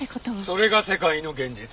それが世界の現実だ。